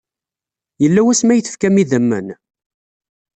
Yella wasmi ay tefkam idammen?